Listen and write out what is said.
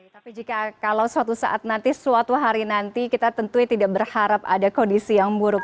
tapi jika kalau suatu saat nanti suatu hari nanti kita tentunya tidak berharap ada kondisi yang buruk